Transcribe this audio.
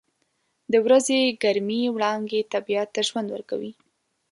• د ورځې ګرمې وړانګې طبیعت ته ژوند ورکوي.